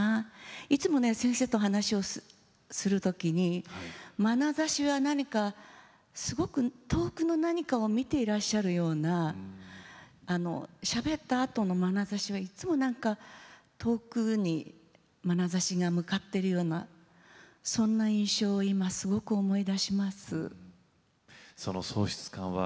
いつも先生とお話をするときにまなざしは何かすごく遠くの何かを見ていらっしゃるようなしゃべったあとのまなざしはいつもなんか遠くにまなざしが向かっているようなそんな印象を今すごく思い出します。